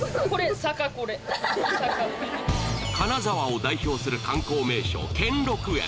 金沢を代表する観光名所兼六園